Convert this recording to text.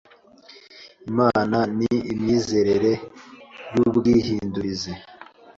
Imana ni imyizerere y’ubwihindurize.